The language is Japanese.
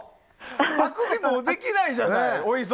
あくび、もうできないじゃない。